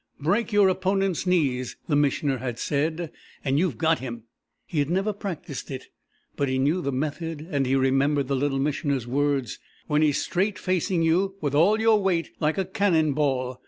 "Break your opponent's knees," the Missioner had said, "and you've got him." He had never practised it. But he knew the method, and he remembered the Little Missioner's words "when he's straight facing you, with all your weight, like a cannon ball!"